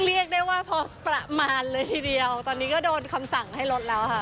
เรียกได้ว่าพอประมาณเลยทีเดียวตอนนี้ก็โดนคำสั่งให้ลดแล้วค่ะ